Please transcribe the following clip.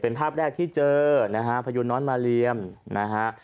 เป็นภาพแรกที่เจอนะฮะพยุน้อยมาเรียมนะฮะ